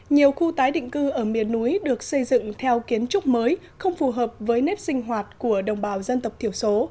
nhiều khu tái định cư ở miền núi được xây dựng theo kiến trúc mới không phù hợp với nếp sinh hoạt của đồng bào dân tộc thiểu số